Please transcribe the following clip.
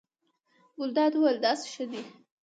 ګلداد وویل: داسې ښه دی.